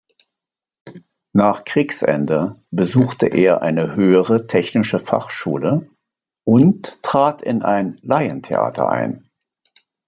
Nach Kriegsende besuchte er eine höhere technische Fachschule und trat in ein Laientheater ein.